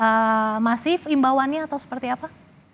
apakah ini lebih imbauannya atau seperti apa